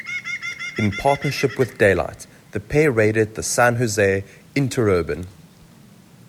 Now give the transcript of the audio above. In partnership with Daylight, the pair raided the San Jose Interurban.